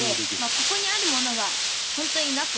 ここにあるものが本当になくって。